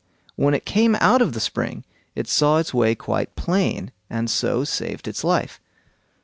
when it came out of the spring it saw its way quite plain, and so saved its life.